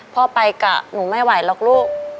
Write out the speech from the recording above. พ่อไปกะหนูไม่ไหวหรอกลูก